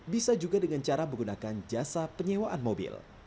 bisa juga dengan cara menggunakan jasa penyewaan mobil